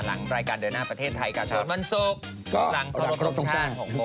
หลังรายการเดินหน้าประเทศไทยกับโชว์สวรรค์วันศุกร์หลังโครโศกศาสตร์หกโมง